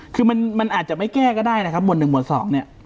คือมันมันอาจจะไม่แก้ก็ได้นะครับหมวดหนึ่งหมวดสองเนี้ย